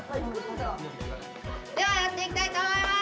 ではやっていきたいと思います。